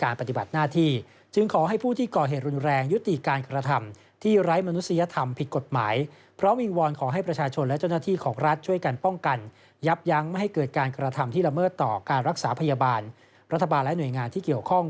รัฐบาลและหน่วยงานที่เกี่ยวข้อง